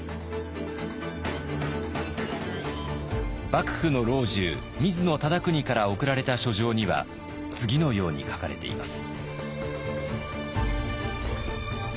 幕府の老中水野忠邦から贈られた書状には次のように書かれています。